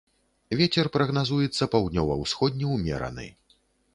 Вецер прагназуецца паўднёва-ўсходні ўмераны.